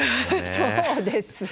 そうですね。